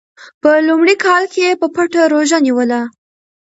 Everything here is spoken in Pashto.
په لومړي کال کې یې په پټه روژه نیوله.